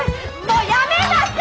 もうやめなさい！